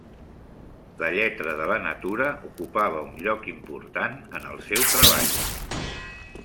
La lletra de la natura ocupava un lloc important en el seu treball.